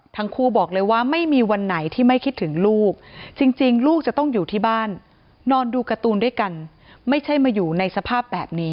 ทั้งคู่บอกเลยว่าไม่มีวันไหนที่ไม่คิดถึงลูกจริงลูกจะต้องอยู่ที่บ้านนอนดูการ์ตูนด้วยกันไม่ใช่มาอยู่ในสภาพแบบนี้